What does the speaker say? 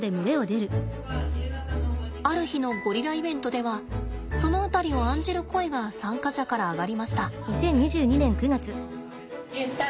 ある日のゴリライベントではその辺りを案じる声が参加者から上がりました。